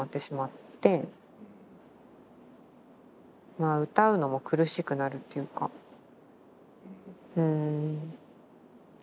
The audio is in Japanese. まあ歌うのも苦しくなるっていうかうん。